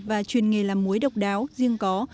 và truyền nghề làm muối độc đáo riêng có